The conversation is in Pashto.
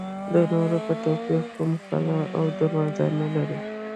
د نورو په توپیر کومه کلا او دروازه نه لري.